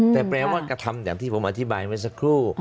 แต่แปลว่ากระทำอย่างที่ผมอธิบายเมื่อสักครู่